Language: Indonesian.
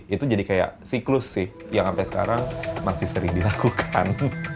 itu jadi kayak siklus sih yang sampai sekarang masih sering dilakukan